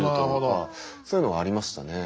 そういうのはありましたね。